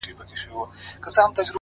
پيل كي وړه كيسه وه غـم نه وو ـ